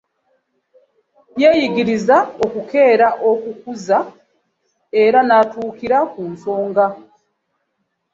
Yeyigirizza okukeera, okuzuukuka era natukira ku nsonga.